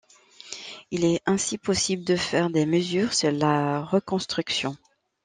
Il est ainsi possible de faire des mesures sur la reconstruction.